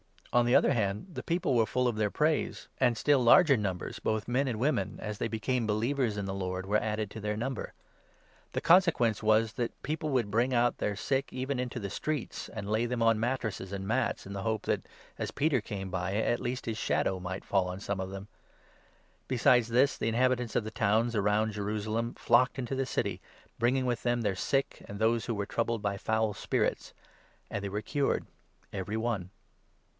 On the other hand, the people were full of their praise, and still larger numbers, both of men and 14 222 THE ACTS, 5. women, as they became believers in the Lord, were added to their number. The consequence was that people would bring 15 out their sick even into the streets, and lay them on mattresses and mats, in the hope that, as Peter came by, at least his shadow might fall on some one of them. Besides this, the 16 inhabitants of the towns round Jerusalem flocked into the city, bringing with them their sick and those who were troubled by foul spirits ; and they were cured every one.